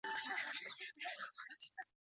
自然人和法人机构都可以成为会员。